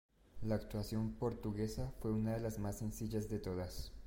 La actuación portuguesa fue una de las más sencillas de todas.